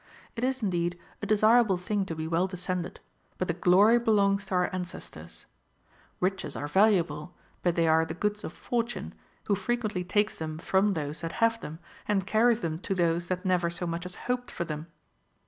It is. indeed, a desirable thing to be well descended ; but the glory belongs to our ancestors. Riches are valuable ; but they are the goods of Fortune, Avho frequently takes tliem from those that have them, and carries them to those that never so much as hoped for them.